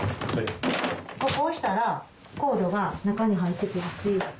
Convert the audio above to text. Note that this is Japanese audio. ここを押したらコードが中に入ってくるし。